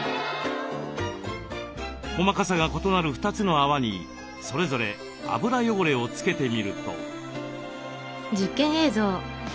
細かさが異なる２つの泡にそれぞれ油汚れをつけてみると。